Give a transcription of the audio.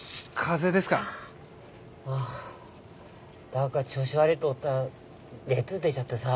何か調子悪いと思ったら熱出ちゃってさ。